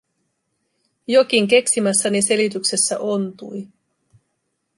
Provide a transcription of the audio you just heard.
Jokin keksimässäni selityksessä ontui.